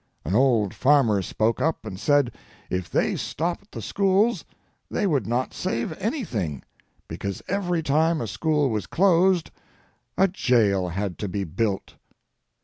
An old farmer spoke up and said if they stopped the schools they would not save anything, because every time a school was closed a jail had to be built.